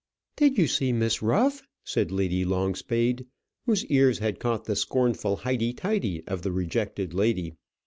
"Did you see Miss Ruff?" said Lady Longspade, whose ears had caught the scornful highty tighty of the rejected lady.